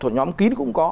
nhóm kín cũng có